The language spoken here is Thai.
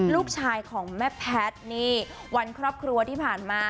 ลูกชายของแม่แพทย์นี่วันครอบครัวที่ผ่านมา